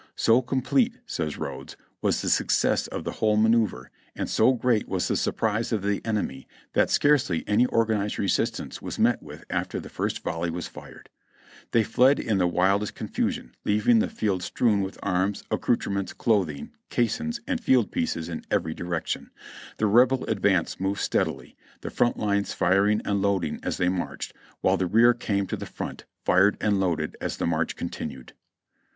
"So complete," says Rodes, "was the success of the whole manoeuvre, and so great was the surprise of the enemy, that scarcely any organized resistance was met with after the first volley was fired. They fled in the wildest confusion, leaving the field strewn with arms, accoutrements, clothing, caissons and field pieces in every direc tion. The Rebel advance moved steadily; the front lines firing and loading as they marched, while the rear came to the front, fired and loaded as the march continued."